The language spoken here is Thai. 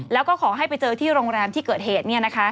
แล้วก็ขอให้ไปเจอที่โรงแรมที่เกิดเหตุ